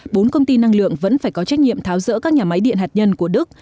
bốn công ty năng lượng vẫn phải có trách nhiệm tháo rỡ các nhà máy điện hạt nhân của đức